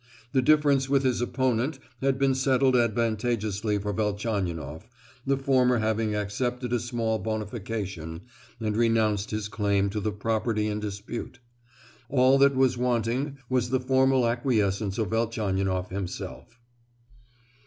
The difference with his opponent had been settled advantageously for Velchaninoff, the former having accepted a small bonification and renounced his claim to the property in dispute. All that was wanting was the formal acquiescence of Velchaninoff himself.